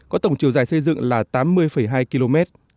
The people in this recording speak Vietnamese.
có tổng chiều dài xây dựng là tám mươi hai km